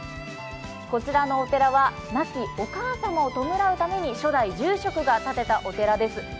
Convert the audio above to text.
こちらのお寺は亡きお母様を弔うために初代住職が建てたお寺です。